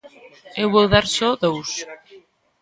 Eu vou dar só dous.